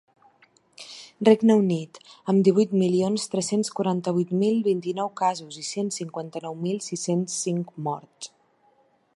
Regne Unit, amb divuit milions tres-cents quaranta-vuit mil vint-i-nou casos i cent cinquanta-nou mil sis-cents cinc morts.